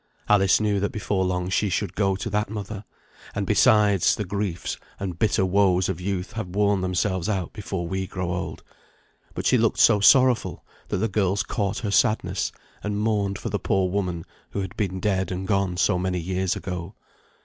Alice knew that before long she should go to that mother; and, besides, the griefs and bitter woes of youth have worn themselves out before we grow old; but she looked so sorrowful that the girls caught her sadness, and mourned for the poor woman who had been dead and gone so many years ago.